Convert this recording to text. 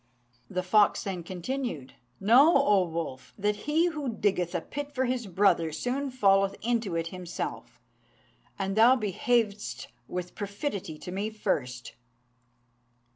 The fox then continued, "Know, O wolf, that he who diggeth a pit for his brother soon falleth into it himself; and thou behavedst with perfidy to me first."